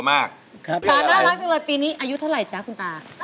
ตาน่ารักจังเลยปีนี้อายุเท่าไหร่จ๊ะคุณตา